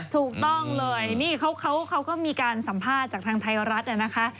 ถูกต้องเลยนี่เขาก็มีการสัมภาษณ์จากทางไทยรัฐนะคะ